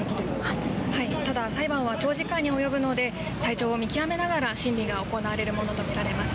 ただ裁判は長時間に及ぶので体調を見極めながら審理が行われるものと見られます。